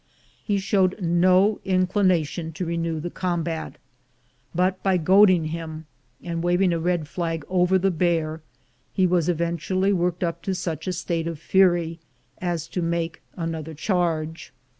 He showed no inclination to renew the com bat; but by goading him, and waving a red flag over the bear, he was eventually worked up to such a state of fury as to make another charge.